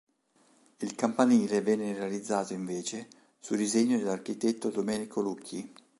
Il campanile venne realizzato, invece, su disegno dell'architetto Domenico Lucchi.